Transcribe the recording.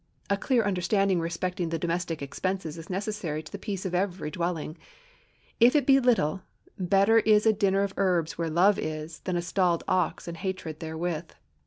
A clear understanding respecting the domestic expenses is necessary to the peace of every dwelling. If it be little, "better is a dinner of herbs where love is, than a stalled ox and hatred therewith."